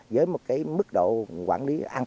với một cái mức độ quản lý an toàn nhất